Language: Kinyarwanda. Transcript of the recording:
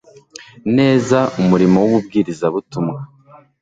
neza umurimo wububwirizabutumwa